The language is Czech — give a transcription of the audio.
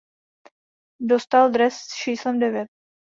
Dostal dres s číslem devět.